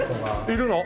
いるの？